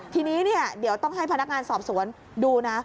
ทีนี้เดี๋ยวต้องให้พนักงานสอบสวนดูนะ